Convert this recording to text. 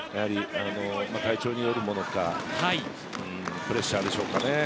体調によるものかプレッシャーでしょうか。